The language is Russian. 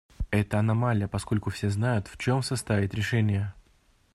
Это аномалия, поскольку все знают, в чем состоит решение.